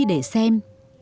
không phim để xem